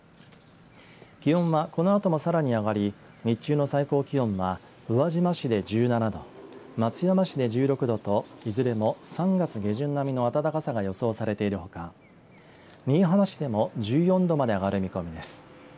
気温はこのあともさらに上がり日中の最高気温は宇和島市で１７度松山市で１６度といずれも３月下旬並みの暖かさが予想されているほか新居浜市でも１４度まで上がる見込みです。